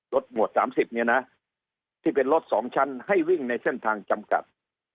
รถงวดสามสิบเนี่ยนะที่เป็นรถสองชั้นให้วิ่งในเส้นทางจำกัด